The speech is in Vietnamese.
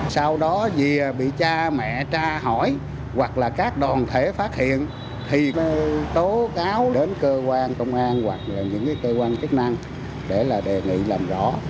sau đó vì bị cha mẹ ra hỏi hoặc là các đoàn thể phát hiện thì mới tố cáo đến cơ quan công an hoặc là những cơ quan chức năng để là đề nghị làm rõ